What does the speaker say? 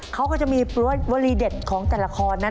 เขาก็จะมีวลีเด็ดของแต่ละคนนั้น